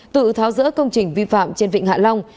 tự tháo rỡ công trình vi phạm trên vịnh hạ long